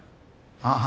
ああ。